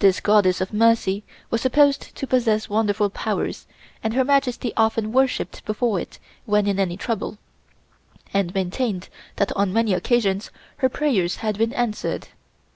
This Goddess of Mercy was supposed to possess wonderful powers and Her Majesty often worshiped before it when in any trouble, and maintained that on many occasions her prayers had been answered.